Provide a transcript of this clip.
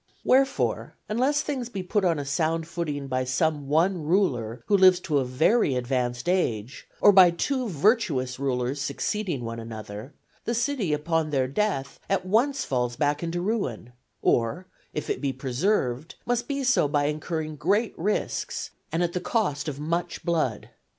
Wherefore, unless things be put on a sound footing by some one ruler who lives to a very advanced age, or by two virtuous rulers succeeding one another, the city upon their death at once falls back into ruin; or, if it be preserved, must be so by incurring great risks, and at the cost of much blood.